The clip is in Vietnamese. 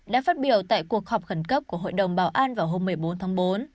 đã phát biểu tại cuộc họp khẩn cấp của hội đồng bảo an vào hôm một mươi bốn tháng bốn